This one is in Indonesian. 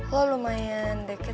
lo lumayan dekat ya